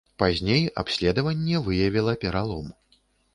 Пазней абследаванне выявіла пералом.